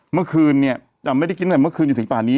เมื่อคืนไม่ได้กินตั้งแต่เมื่อคืนอยู่ถึงป่านี้